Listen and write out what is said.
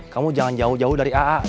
kamu jangan jauh jauh dari aa